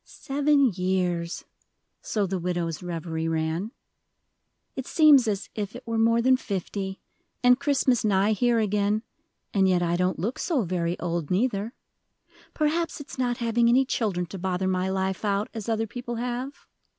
"Seven years," so the widow's reverie ran; "it seems as if it were more than fifty, and Christmas nigh here again, and yet I don't look so very old neither. Perhaps it's not having any children to bother my life out, as other people have.